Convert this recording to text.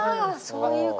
そういう事？